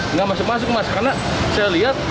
nggak masuk masuk mas karena saya lihat